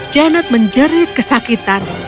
janet menjerit kesakitan